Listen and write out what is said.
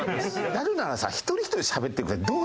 やるならさ１人１人しゃべってくれない？